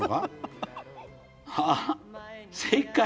『ああ正解』。